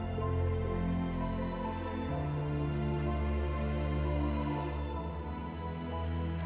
pinter anak mama